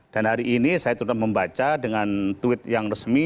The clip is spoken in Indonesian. dan hari ini saya sudah membaca dengan tweet yang resmi